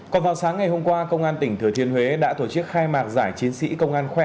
còn vào sáng ngày hôm qua công an tỉnh thừa thiên huế đã tổ chức khai mạc giải chiến sĩ công an tỉnh thừa thiên huế